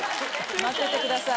待っててください。